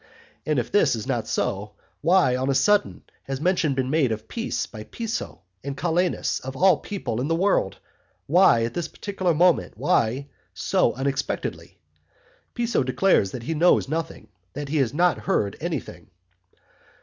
And if that is not so, why on a sudden has mention been made of peace by Piso and Calenus of all people in the world, why at this particular moment, why so unexpectedly? Piso declares that he knows nothing, that he has not heard anything.